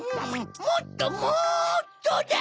もっともっとだ！